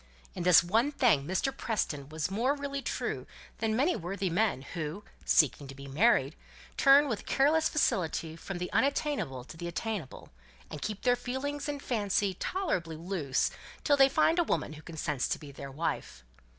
In this one thing Mr. Preston was more really true than many worthy men; who, seeking to be married, turn with careless facility from the unattainable to the attainable, and keep their feelings and fancy tolerably loose till they find a woman who consents to be their wife.